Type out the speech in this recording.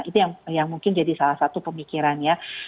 itu yang mungkin jadi salah satu pemikirannya